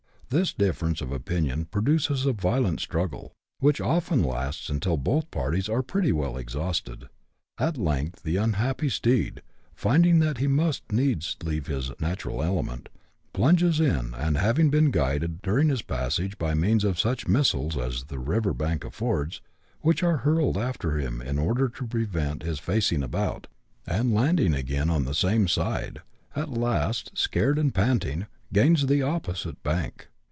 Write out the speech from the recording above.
This difference of opinion produces a violent struggle, which often lasts until both parties are pretty well exhausted. At length the unhappy steed, finding that he must needs leave his natural element, plunges in, and, having been guided during his passage by means of such missiles as the river bank affords, which are hurled after him in order to prevent his facing about, and landing again on the same side, at last, scared and panting, gains the opposite bank.